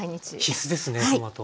必須ですねトマト。